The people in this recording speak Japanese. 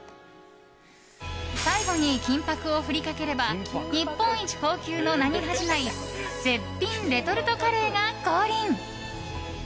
最後に金箔を振りかければ日本一高級の名に恥じない絶品レトルトカレーが降臨。